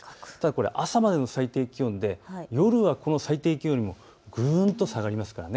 これは朝までの最低気温で夜はこれよりもぐんと下がります。